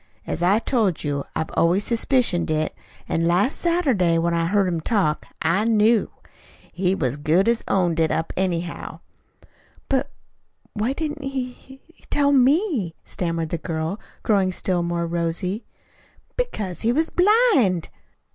As I told you, I've always suspicioned it, an' last Saturday, when I heard him talk, I knew. He as good as owned it up, anyhow." "But why didn't he he tell me?" stammered the girl, growing still more rosy. "Because he was blind."